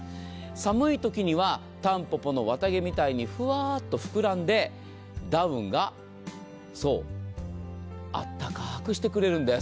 寒いときにはタンポポの綿毛みたいにふわっと膨らんでダウンがあったかくしてくれるんです。